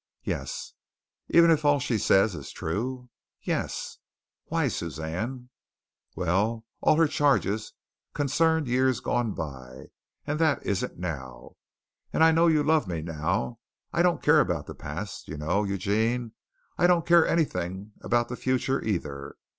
"Yes." "Even if all she says is true?" "Yes." "Why, Suzanne?" "Well, all her charges concerned years gone by, and that isn't now. And I know you love me now. I don't care about the past. You know, Eugene, I don't care anything about the future, either.